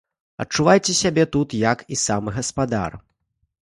Адчувайце сябе тут, як і сам гаспадар.